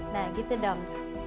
nah gitu dong